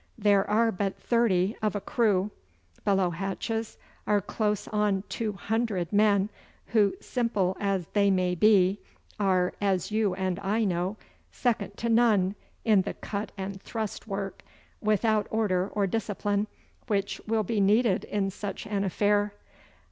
There are but thirty of a crew. Below hatches are close on two hundred men, who, simple as they may be, are, as you and I know, second to none in the cut and thrust work, without order or discipline, which will be needed in such an affair.